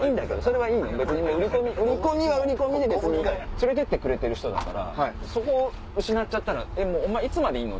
連れてってくれてる人だからそこ失っちゃったらお前いつまでいるの？